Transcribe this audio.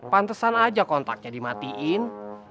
pantesan aja kontaknya dimatiin